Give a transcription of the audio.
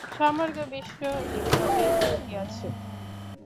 সমগ্র বিশ্ব এই ভাবেই চলিয়াছে।